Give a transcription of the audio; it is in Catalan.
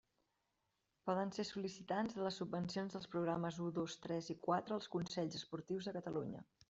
Poden ser sol·licitants de les subvencions dels programes u, dos, tres i quatre els consells esportius de Catalunya.